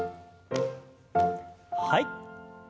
はい。